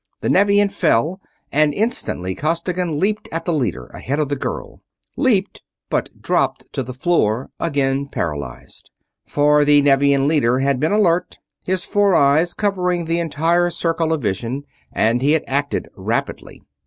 The Nevian fell, and instantly Costigan leaped at the leader, ahead of the girl. Leaped; but dropped to the floor, again paralyzed. For the Nevian leader had been alert, his four eyes covering the entire circle of vision, and he had acted rapidly.